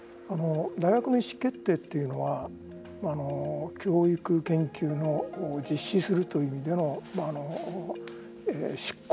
大学の意思決定というのは教育、研究を実施するという意味での執行。